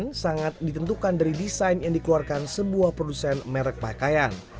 tapi juga penjualan produk yang sangat ditentukan dari desain yang dikeluarkan sebuah produsen merek pakaian